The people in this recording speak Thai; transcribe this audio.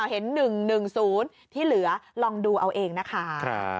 เห็น๑๑๐ที่เหลือลองดูเอาเองนะคะ